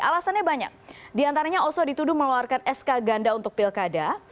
alasannya banyak diantaranya oso dituduh mengeluarkan sk ganda untuk pilkada